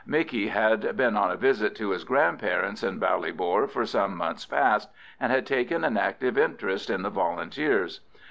Micky had been on a visit to his grandparents in Ballybor for some months past, and had taken an active interest in the Volunteers.